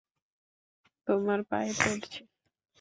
তোমার পায়ে পড়ছি।